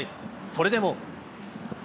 それでも。